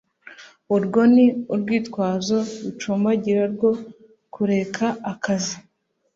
Urwo ni urwitwazo rucumbagira rwo kureka akazi